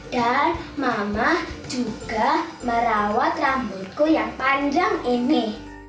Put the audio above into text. dan mama juga merawat rambutku yang panjang ini